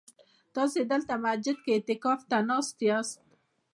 تاسي دلته مسجد کي اعتکاف ته ناست ياست؟